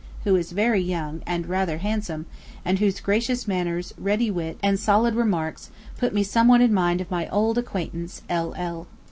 who is very young, and rather handsome, and whose gracious manners, ready wit, and solid remarks, put me somewhat in mind of my old acquaintance L. L.